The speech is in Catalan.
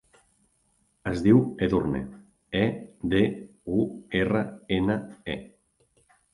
Es diu Edurne: e, de, u, erra, ena, e.